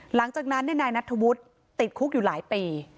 หลังจากนั้นนายนัทธวุฒิติดคุกอยู่หลายปี